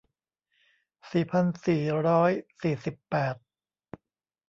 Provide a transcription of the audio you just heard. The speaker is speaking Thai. สี่พันสี่ร้อยสี่สิบแปด